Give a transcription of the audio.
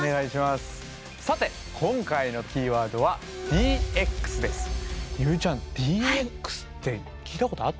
さて今回のキーワードは「ＤＸ」です。